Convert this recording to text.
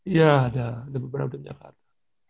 iya ada ada beberapa di jakarta